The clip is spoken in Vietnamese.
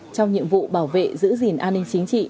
trong nhiệm vụ bảo vệ giữ gìn an ninh chính trị